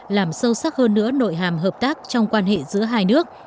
làm sâu sắc hơn nữa nội hàm hợp tác trong quan hệ giữa hai nước